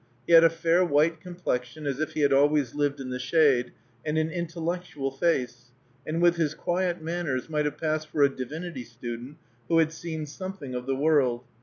He had a fair white complexion, as if he had always lived in the shade, and an intellectual face, and with his quiet manners might have passed for a divinity student who had seen something of the world.